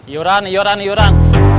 yuran yuran yuran